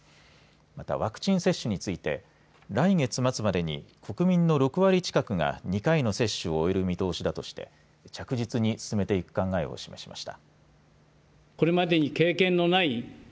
また、ワクチン接種について来月末までに国民の６割近くが２回の接種を終える見通しだとして着実に進めていく考えを示しました。